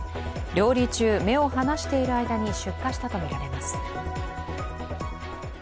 料理中、目を離している間に出火したとみられます。